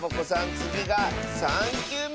つぎが３きゅうめ！